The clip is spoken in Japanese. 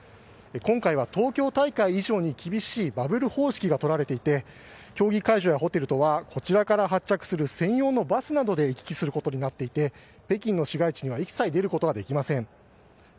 今回、東京大会以上に厳しいバブル方式が取られていて競技会場やホテルとはこちらから発着する専用のバスなどで行き来することになっていて北京の市街地には一切出ることができません。